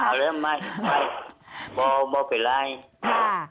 หาเรื่องใหม่ไปไม่เป็นไร